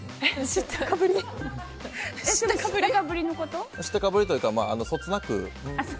知ったかぶりというかそつなく。